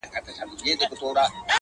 او خپل سر يې د لينگو پر آمسا کښېښود_